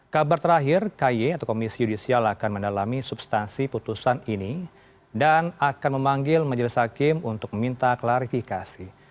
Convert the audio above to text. kabar terakhir ky atau komisi yudisial akan mendalami substansi putusan ini dan akan memanggil majelis hakim untuk meminta klarifikasi